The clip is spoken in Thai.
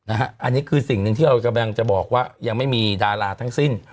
อันนี้คือสิ่งหนึ่งที่เรากำลังจะบอกว่ายังไม่มีดาราทั้งสิ้น